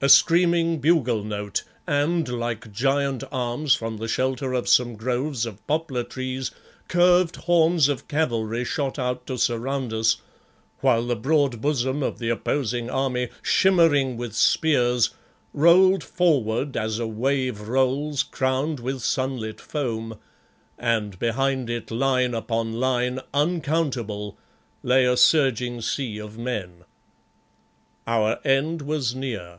A screaming bugle note and, like giant arms, from the shelter of some groves of poplar trees, curved horns of cavalry shot out to surround us, while the broad bosom of the opposing army, shimmering with spears, rolled forward as a wave rolls crowned with sunlit foam, and behind it, line upon line, uncountable, lay a surging sea of men. Our end was near.